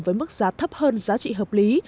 với mức giá thấp hơn giá trị hợp lý